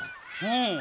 うん。